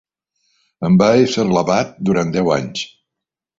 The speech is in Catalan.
En va ésser l'abat durant deu anys.